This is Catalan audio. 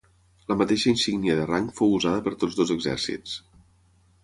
La mateixa insígnia de rang fou usada per tots dos exèrcits.